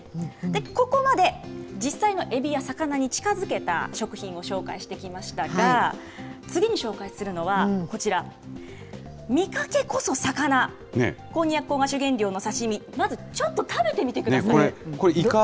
ここまで実際のエビや魚に近づけた食品を紹介してきましたが、次に紹介するのは、こちら、見かけこそ魚、こんにゃく粉が主原料の刺身、ちょっと食べてみてください。